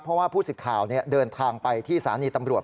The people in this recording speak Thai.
เพราะว่าผู้สิทธิ์ข่าวเดินทางไปที่สถานีตำรวจ